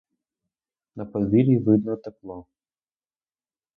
На подвір'ї видно, тепло.